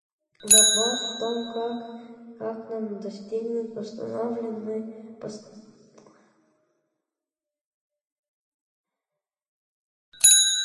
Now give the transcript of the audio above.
Вопрос в том, как нам достигнуть поставленной цели?